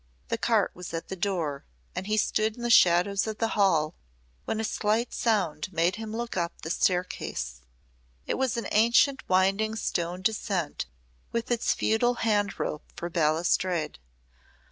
The cart was at the door and he stood in the shadows of the hall when a slight sound made him look up at the staircase. It was an ancient winding stone descent with its feudal hand rope for balustrade.